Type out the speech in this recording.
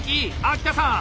秋田さん！